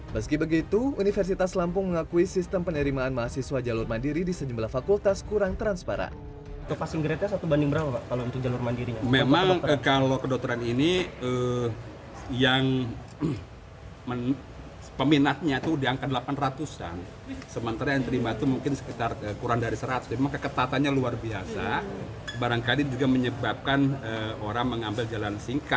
meski begitu universitas lampung mengakui sistem penerimaan mahasiswa jalur mandiri di sejumlah fakultas kurang transparan